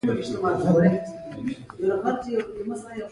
دوی يوازې د يوه ګټور پيغام په لټه کې وي.